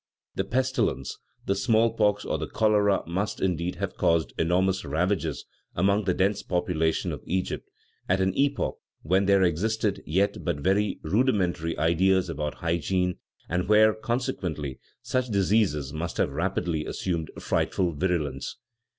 The pestilence, the smallpox or the cholera must, indeed, have caused enormous ravages among the dense population of Egypt, at an epoch when there existed yet but very rudimentary ideas about hygiene and where, consequently, such diseases must have rapidly assumed frightful virulence.